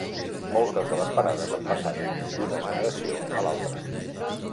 Moltes de les parades han passat d'una generació a l'altra.